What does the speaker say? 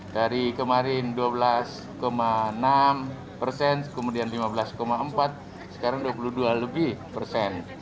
dari kemarin dua belas enam persen kemudian lima belas empat sekarang dua puluh dua lebih persen